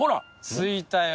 着いたよ。